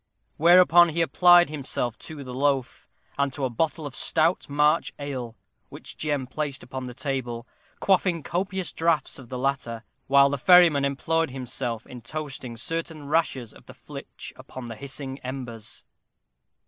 Whereupon he applied himself to the loaf, and to a bottle of stout March ale, which Jem placed upon the table, quaffing copious draughts of the latter, while the ferryman employed himself in toasting certain rashers of the flitch upon the hissing embers.